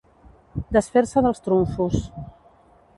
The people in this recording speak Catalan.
Desfer-se dels trumfos.